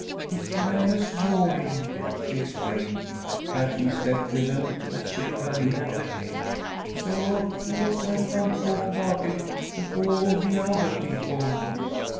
It's for Agnes Waring," she explained, catching step with them as they turned in at the gate. "So of co'se I can't talk about it befoah all the othah people.